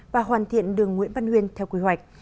và hoàn thiện đường nguyễn văn huyên theo quy hoạch